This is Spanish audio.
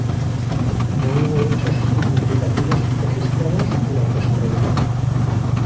No hubo hechos significativos registrados durante su reinado.